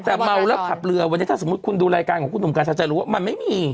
แต่เมาแล้วขับเรือวันนี้ถ้าสมมุติคุณดูรายการของคุณหนุ่มกัญชาจะรู้ว่ามันไม่มี